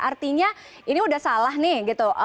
artinya ini udah salah nih gitu